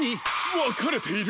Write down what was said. わかれている！